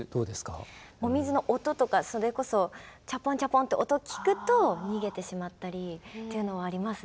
お水の音とかそれこそチャポンチャポンって音聞くと逃げてしまったりというのはありますね。